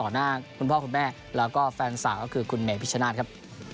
หน้าคุณพ่อคุณแม่แล้วก็แฟนสาวก็คือคุณเมพิชนาธิ์ครับ